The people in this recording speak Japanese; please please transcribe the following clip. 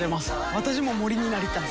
私も森になりたい。